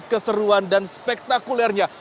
dan keseruan dan spektakulernya